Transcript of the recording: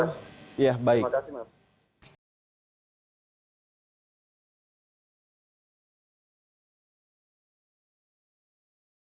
terima kasih pak